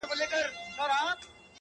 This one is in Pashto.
دا عادت یې ټول حرم ته معما وه،